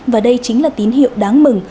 và đây chính là tín hiệu đáng mừng